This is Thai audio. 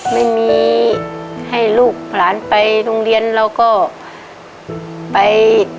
ไม่มีให้ลูกหลานไปโรงเรียนเราก็ไป